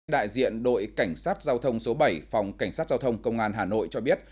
đại diện đội cảnh sát giao thông số bảy phòng cảnh sát giao thông công an hà nội cho biết